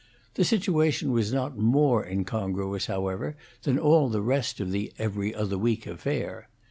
The situation was not more incongruous, however, than all the rest of the 'Every Other Week' affair.